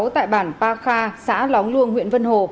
tại bản pa kha xã lóng luông huyện vân hồ